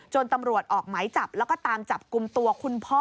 ตำรวจออกหมายจับแล้วก็ตามจับกลุ่มตัวคุณพ่อ